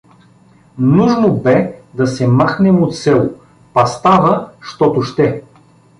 Нужно бе да се махнем от село, па става, щото ще.